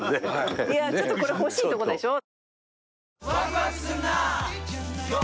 いやちょっとこれ欲しいとこでしょ？え？